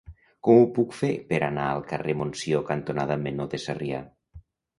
Com ho puc fer per anar al carrer Montsió cantonada Menor de Sarrià?